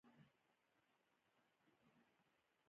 بېنډۍ د غاښونو استقامت پیاوړی کوي